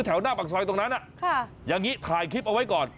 แถวหน้าปากซอยตรงนั้นอย่างนี้ถ่ายคลิปเอาไว้ก่อน